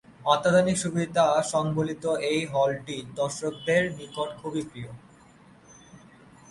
অত্যাধুনিক সুবিধা সংবলিত এই হলটি দর্শকদের নিকট খুবই প্রিয়।